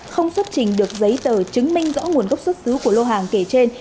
không xuất trình được giấy tờ chứng minh rõ nguồn gốc xuất xứ của lô hàng kể trên